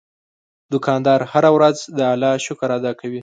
دوکاندار هره ورځ د الله شکر ادا کوي.